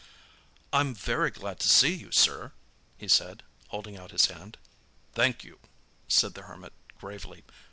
"I'm very glad to see you, sir," he said, holding out his hand. "Thank you," said the Hermit gravely.